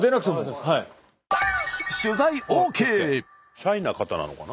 シャイな方なのかな。